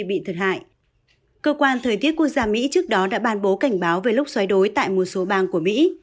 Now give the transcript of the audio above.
bị thiệt hại cơ quan thời tiết quốc gia mỹ trước đó đã bàn bố cảnh báo về lúc xoáy đối tại một số bang của mỹ